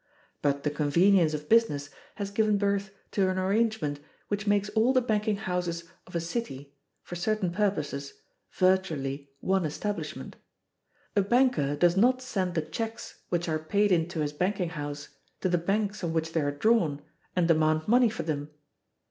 But the convenience of business has given birth to an arrangement which makes all the banking houses of [a] city, for certain purposes, virtually one establishment. A banker does not send the checks which are paid into his banking house to the banks on which they are drawn, and demand money for them.